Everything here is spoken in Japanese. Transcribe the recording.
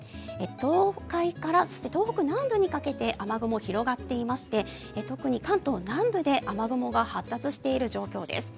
東海から東北南部にかけて雨雲広がっていまして特に関東南部で雨雲が発達している状況です。